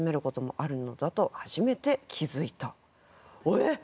えっ！？